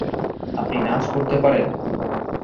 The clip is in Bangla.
আপনি নাচ করতে পারেন?